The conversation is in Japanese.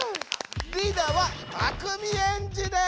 リーダーはたくみエンジです！